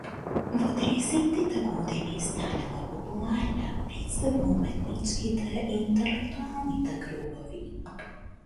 Во триесеттите години станала популарна, пред сѐ во уметничките и интелектуалните кругови.